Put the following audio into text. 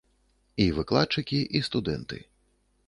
І выкладчыкі, і студэнты.